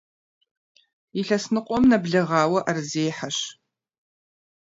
Илъэс ныкъуэм нэблэгъауэ ӏэрызехьэщ.